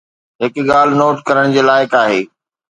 هڪ ڳالهه نوٽ ڪرڻ جي لائق آهي.